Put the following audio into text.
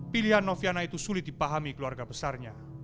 pilihan noviana itu sulit dipahami keluarga besarnya